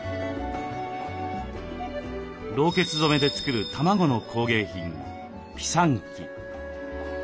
ろうけつ染めで作る卵の工芸品ピサンキ。